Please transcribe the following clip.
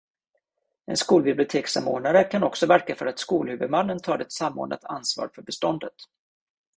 En skolbibliotekssamordnare kan också verka för att skolhuvudmannen tar ett samordnat ansvar för beståndet.